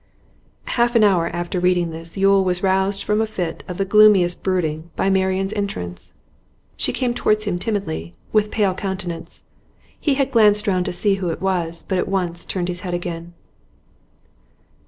Half an hour after reading this Yule was roused from a fit of the gloomiest brooding by Marian's entrance. She came towards him timidly, with pale countenance. He had glanced round to see who it was, but at once turned his head again.